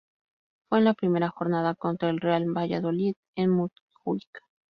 Fue en la primera jornada contra el Real Valladolid en Montjuïc.